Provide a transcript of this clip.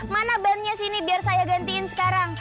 mana bandnya sini biar saya gantiin sekarang